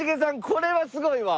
これはすごいわ。